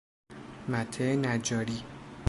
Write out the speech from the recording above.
مته نجاری